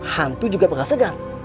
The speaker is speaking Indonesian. hantu juga berasa segan